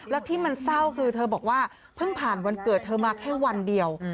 แล้วที่มันเศร้าคือเธอบอกว่าเพิ่งผ่านวันเกิดเธอมาแค่วันเดียว